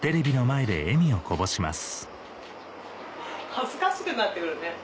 恥ずかしくなってくるね。